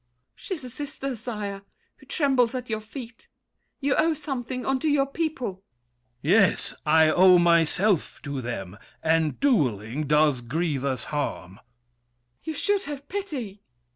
She's a sister, sire, Who trembles at your feet. You owe something Unto your people! THE KING. Yes! I owe myself To them, and dueling does grievous harm. MARION. You should have pity!